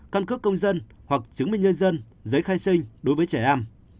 căn cước công dân hoặc chứng minh nhân dân giấy khai sinh đối với trẻ em